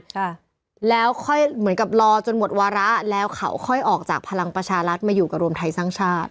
ค่ะแล้วค่อยเหมือนกับรอจนหมดวาระแล้วเขาค่อยออกจากพลังประชารัฐมาอยู่กับรวมไทยสร้างชาติ